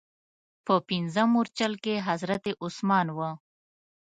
په پنځم مورچل کې حضرت عثمان و.